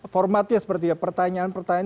formatnya seperti pertanyaan pertanyaan